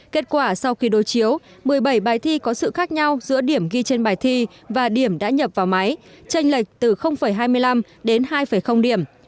kết quả sau khi đối chiếu một mươi bảy bài thi có sự khác nhau giữa điểm ghi trên bài thi và điểm đã nhập vào máy tranh lệch từ hai mươi năm đến hai điểm